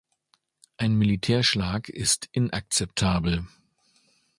Ein Militärschlag ist inakzeptabel.